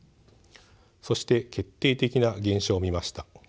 そして決定的な現象を見ました。